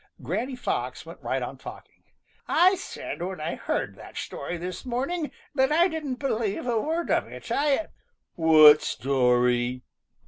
Granny Pox went right on talking. "I said when I heard that story this morning that I didn't believe a word of it. I " "What story?"